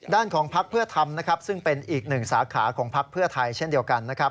ของพักเพื่อทำนะครับซึ่งเป็นอีกหนึ่งสาขาของพักเพื่อไทยเช่นเดียวกันนะครับ